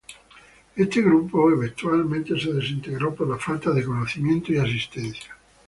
Este grupo eventualmente se desintegró por la falta de conocimiento y asistencia.